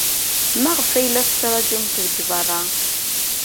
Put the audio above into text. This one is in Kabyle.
Maɣef ay la tettṛajumt deg beṛṛa?